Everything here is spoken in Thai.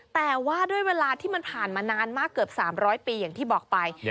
แต่ว่าด้วยเวลาที่มันผ่านมานานมากเกือบ๓๐๐ปีอย่างที่บอกไป